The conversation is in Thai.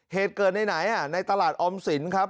เหตุเกิดไหนไหนอ่ะในตลาดออมศิลป์ครับ